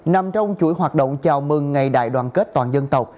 nằm trong chuỗi hoạt động chào mừng ngày đại đoàn kết toàn dân tộc